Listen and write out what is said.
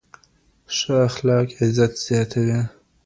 ښه اخلاق عزت زياتوي